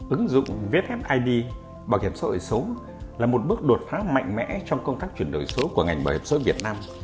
ứng dụng vssid là một bước đột phá mạnh mẽ trong công tác chuyển đổi số của ngành bảo hiểm số việt nam